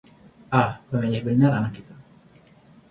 ah, pemilih benar anak itu